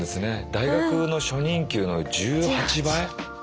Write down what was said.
大学の初任給の１８倍。